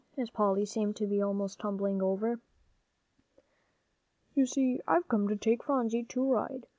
as Polly seemed to be almost tumbling over. "You see, I've come to take Phronsie to ride.